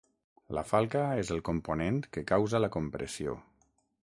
La falca és el component que causa la compressió.